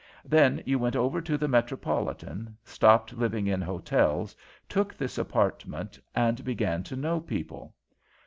Then you went over to the Metropolitan, stopped living in hotels, took this apartment, and began to know people.